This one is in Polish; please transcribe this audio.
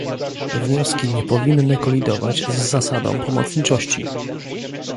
Wnioski nie powinny kolidować z zasadą pomocniczości